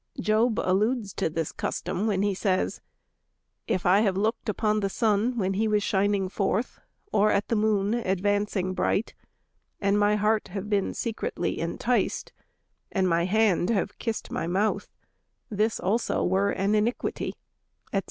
Job alludes to this custom when he says: "If I have looked upon the sun when he was shining forth, or at the moon advancing bright, and my heart have been secretly enticed, and my hand have kissed my mouth, this also were an iniquity," etc.